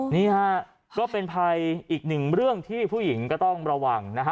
นี่ฮะก็เป็นภัยอีกหนึ่งเรื่องที่ผู้หญิงก็ต้องระวังนะฮะ